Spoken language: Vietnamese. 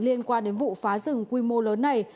liên quan đến vụ phá rừng quy mô lớn này